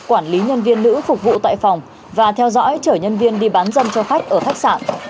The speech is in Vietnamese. quản lý nhân viên nữ phục vụ tại phòng và theo dõi chở nhân viên đi bán dâm cho khách ở khách sạn